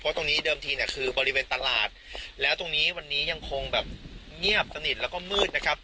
ตรงนี้เดิมทีเนี่ยคือบริเวณตลาดแล้วตรงนี้วันนี้ยังคงแบบเงียบสนิทแล้วก็มืดนะครับ